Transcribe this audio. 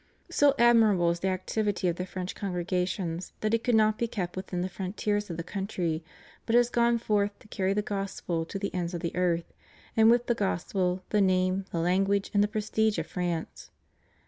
So admirable is the activity of the French congrega tions that it could not be kept within the frontiers of the country, but has gone forth to carry the Gospel to the ends of the earth, and with the Gospel the name, the language, and the prestige of France.